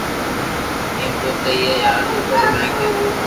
ايم تو سھي ھي يار تو ٻلو منيک ھي